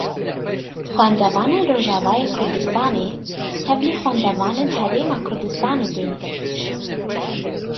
Xwendevanên Rojavayê Kurdistanê tevlî xwendevanên Herêma Kurdistanê tên kirin.